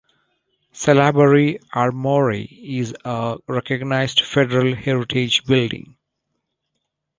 Salaberry Armoury is a Recognized Federal Heritage Building.